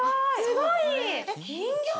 すごい！